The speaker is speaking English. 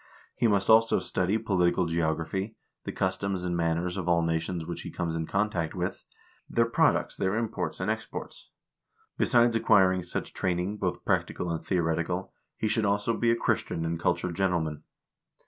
He must also study political geography, the customs and manners of all nations which he comes in contact with ; their products, their imports and exports. Besides acquiring such training, both practical and theoretical, he should also be a Christian and cultured gentleman.